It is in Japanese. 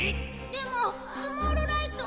でもスモールライトは？